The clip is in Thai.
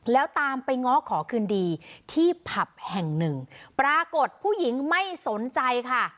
แล้วตามไปง้อขอคืนดีที่ผับแห่งหนึ่งปรากฏผู้หญิงไม่สนใจค่ะ